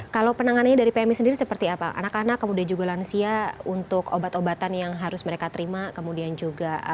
kalau penanganannya dari pmi sendiri seperti apa anak anak kemudian juga lansia untuk obat obatan yang harus mereka terima kemudian juga